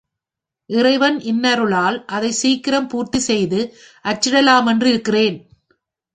இறைவன் இன்னருளால் அதைச் சீக்கிரம் பூர்த்தி செய்து அச்சிடலாமென்றிருக்கிறேன்.